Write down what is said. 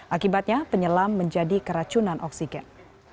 akibatnya penyelam menjadi keracunan oksigen